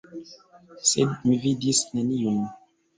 Sed mi vidis neniun.